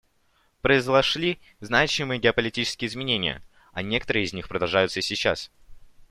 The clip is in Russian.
Произошли значимые геополитические изменения, а некоторые из них продолжаются и сейчас.